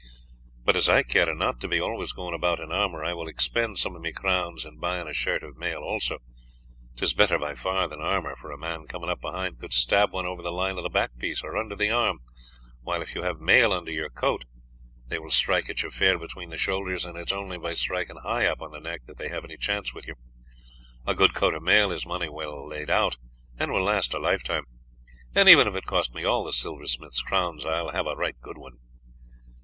But as I care not to be always going about in armour I will expend some of my crowns in buying a shirt of mail also. 'Tis better by far than armour, for a man coming up behind could stab one over the line of the back piece or under the arm, while if you have mail under your coat they will strike at you fair between the shoulders, and it is only by striking high up on the neck that they have any chance with you. A good coat of mail is money well laid out, and will last a lifetime; and even if it cost me all the silversmith's crowns I will have a right good one."